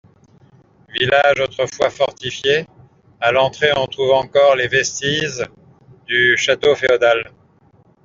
Village autrefois fortifié, à l'entrée on trouve encore les vestiges du château féodal.